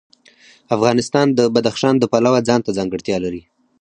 افغانستان د بدخشان د پلوه ځانته ځانګړتیا لري.